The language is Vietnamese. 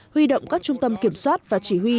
huy động các trung tâm kiểm soát và chỉ huy